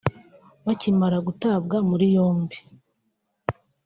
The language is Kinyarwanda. Bakimara gutabwa muri yombi